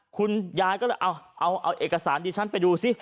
คุณยายก็เลยเอาเอกสารดิฉันไปดูซิ